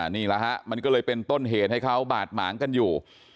นี่แหละฮะมันก็เลยเป็นต้นเหตุให้เขาบาดหมางกันอยู่